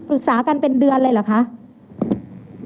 กันเป็นเดือนเลยเหรอคะ